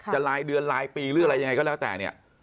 รายเดือนรายปีหรืออะไรยังไงก็แล้วแต่เนี่ย